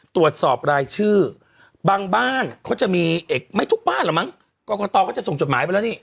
ตรวจสอบรายชื่อบางบ้านเขาจะมีเอกไม่ทุกบ้านเหรอมั้งกรกตเขาจะส่งจดหมายไปแล้วนี่